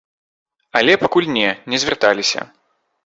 Але пакуль не, не звярталіся.